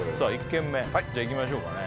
１軒目いきましょうかね